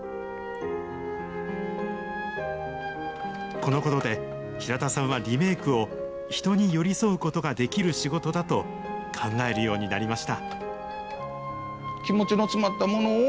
このことで、平田さんはリメイクを、人に寄り添うことができる仕事だと考えるようになりました。